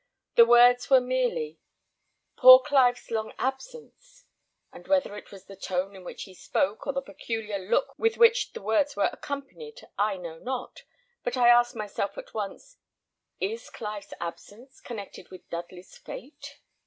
The words were merely, 'Poor Clive's long absence;' and whether it was the tone in which he spoke, or the peculiar look with which the words were accompanied, I know not; but I asked myself at once, 'Is Clive's absence connected with Dudley's fate?'"